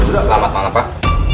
selamat malam pak